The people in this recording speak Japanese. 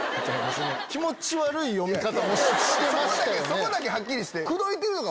そこだけはっきりして。